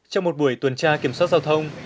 trong một buổi tuần tra kiểm soát giao thông